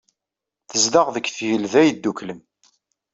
Tezdeɣ deg Tgelda Yedduklen.